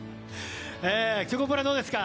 チョコプラどうですか？